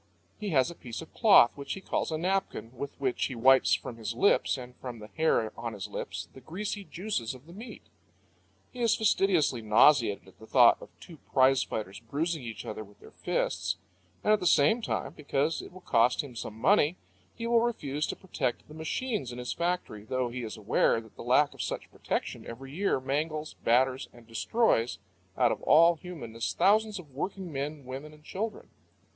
He has a piece of cloth which he calls a napkin, with which he wipes from his lips, and from the hair on his lips, the greasy juices of the meat. He is fastidiously nauseated at the thought of two prize fighters bruising each other with their fists; and at the same time, because it will cost him some money, he will refuse to protect the machines in his factory, though he is aware that the lack of such protection every year mangles, batters, and destroys out of all humanness thousands of working men, women, and children.